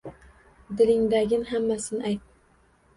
Dilingdagin hammmasin ayt!